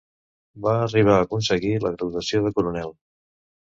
Va arribar a aconseguir la graduació de coronel.